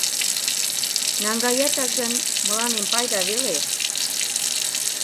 Наҥгаятак гын, мыланем пайда веле...